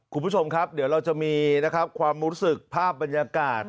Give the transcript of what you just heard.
คุณผู้ชมครับเดี๋ยวเราจะมีนะครับความรู้สึกภาพบรรยากาศ